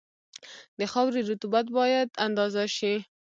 د خاورې رطوبت باید اندازه شي